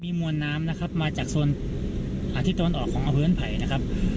มีมวลน้ำนะครับมาจากส่วนอาทิตย์ต้นออกของอเวิร์นไผ่นะครับ